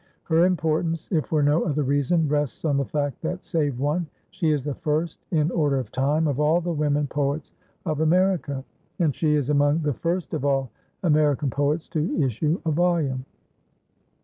Her importance, if for no other reason, rests on the fact that, save one, she is the first in order of time of all the women poets of America. And she is among the first of all American poets to issue a volume.